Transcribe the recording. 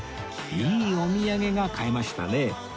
いいお土産が買えましたね